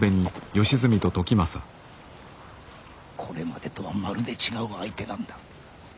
これまでとはまるで違う相手なんだ。